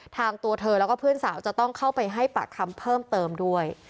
ตัวเธอแล้วก็เพื่อนสาวจะต้องเข้าไปให้ปากคำเพิ่มเติมด้วย